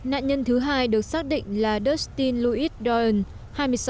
nạn nhân thứ hai được xác định là dustin louis doyle